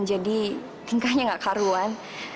jadi tingkahnya gak keharuan